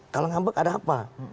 kalau mengambek ada apa